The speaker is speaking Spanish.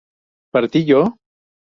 ¿partí yo?